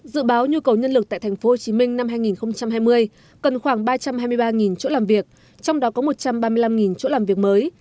dự báo nhu cầu nhân lực tại tp hcm năm hai nghìn hai mươi cần khoảng ba trăm hai mươi ba chỗ làm việc trong đó có một trăm ba mươi năm chỗ làm việc mới